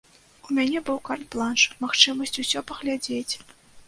У мяне быў карт-бланш, магчымасць усё паглядзець.